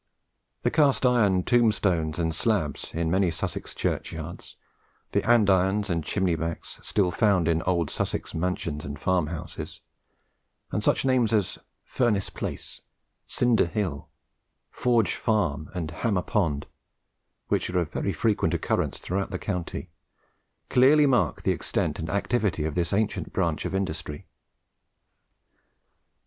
The cast iron tombstones and slabs in many Sussex churchyards, the andirons and chimney backs still found in old Sussex mansions and farm houses, and such names as Furnace Place, Cinder Hill, Forge Farm, and Hammer Pond, which are of very frequent occurrence throughout the county, clearly mark the extent and activity of this ancient branch of industry.